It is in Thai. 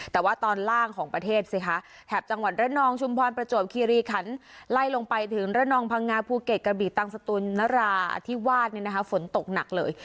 แต่ว่าตอนล่างของประเทศสิคะแถบจังหวัดระนองชุมพรประจวบคีรีขันไล่ลงไปถึงระนองพังงาภูเก็ตกระบีตังสตูนนราธิวาสฝนตกหนักเลย